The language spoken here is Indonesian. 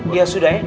ya sudah ya